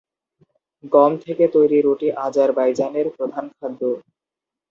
গম থেকে তৈরি রুটি আজারবাইজানের প্রধান খাদ্য।